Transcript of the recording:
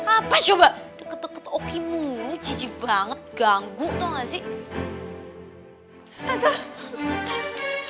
apa coba deket deket oki mu ciji banget ganggu tuh gak sih